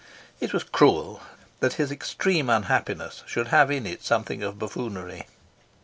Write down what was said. It was cruel that his extreme unhappiness should have in it something of buffoonery.